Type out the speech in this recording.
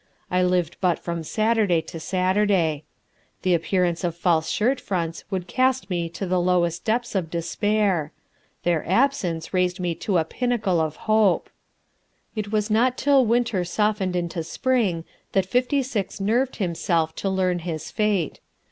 I lived but from Saturday to Saturday. The appearance of false shirt fronts would cast me to the lowest depths of despair; their absence raised me to a pinnacle of hope. It was not till winter softened into spring that Fifty Six nerved himself to learn his fate.